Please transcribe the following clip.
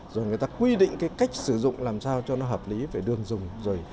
rồi người ta quy định cái cách sử dụng làm sao cho nó hợp lý phải đường dùng